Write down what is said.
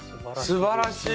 すばらしい！